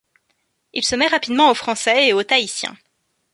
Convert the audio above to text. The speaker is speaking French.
Il se met rapidement au français et au tahitien.